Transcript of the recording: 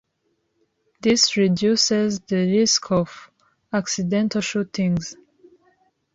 This reduces the risk of accidental shootings.